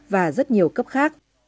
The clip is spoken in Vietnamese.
và rất nhiều cấp khác